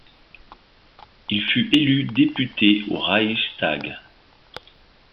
Il fut élu député au Reichstag.